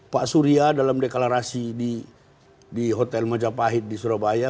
pak surya dalam deklarasi di hotel majapahit di surabaya